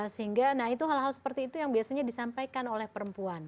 sehingga nah itu hal hal seperti itu yang biasanya disampaikan oleh perempuan